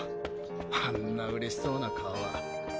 あんな嬉しそうな顔は。